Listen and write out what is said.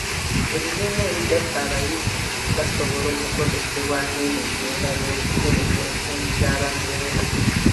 Ebibiina ebigatta abayizi basobola okukozesebwa ng'ebibiina by'okutereka ensimbi za bammemba.